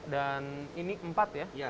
dan ini empat ya